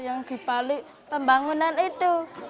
yang kembali pembangunan itu